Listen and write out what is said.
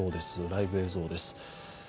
ライブ映像です。